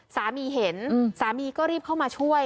สามีเห็นสามีก็รีบเข้ามาช่วย